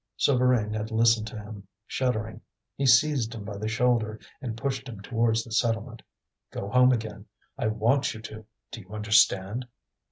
Souvarine had listened to him, shuddering. He seized him by the shoulder, and pushed him towards the settlement. "Go home again; I want you to. Do you understand?"